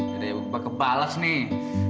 yaudah ya gue bakal bales nih